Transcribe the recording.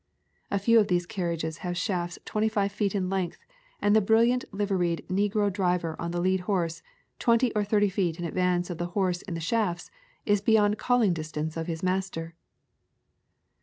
A few of these carriages have shafts twenty five feet in length, and the brilliant liveried negro driver on the lead horse, twenty or thirty feet' in advance of the horse in the shafts, is beyond calling distance of his master.